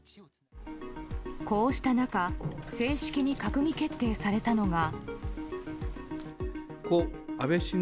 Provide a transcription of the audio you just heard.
こうした中、正式に閣議決定されたのが。